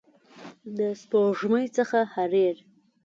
د سپوږمۍ څخه حریر